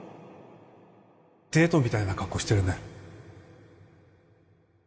デートみたいな格好してるね